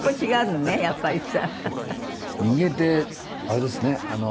人間ってあれですね。